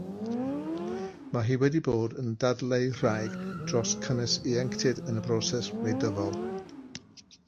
Mae hi wedi bod yn ddadleuwraig dros gynnwys ieuenctid yn y broses wleidyddol.